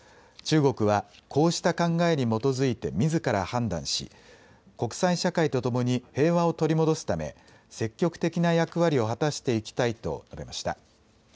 中国はこうした考えに基づいてみずから判断し国際社会とともに平和を取り戻すため積極的な役割を果たしていきたいと述べました。